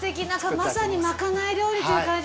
まさにまかない料理という感じ。